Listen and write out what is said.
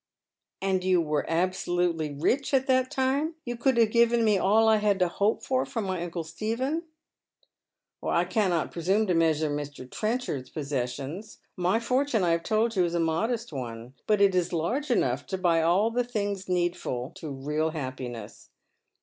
" And you were absolutely rich at that time ? You could have given me all I had to hope for from my uncle Stephen ?"" I cannot presume to measure Mr. Trenchard's possessions. My fortune, I have told you, is a modest one, but it is large enough to buy all things needful to real happiness.